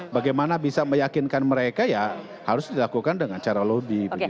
bagaimana bisa meyakinkan mereka ya harus dilakukan dengan cara lobby